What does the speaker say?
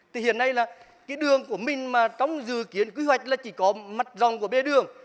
thì hiện nay là cái đường của mình mà trong dự kiến quy hoạch là chỉ có mặt dòng của bê đường